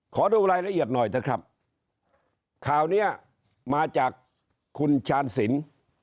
ขอดูรายละเอียดหน่อยเถอะครับข่าวเนี้ยมาจากคุณชาญสิน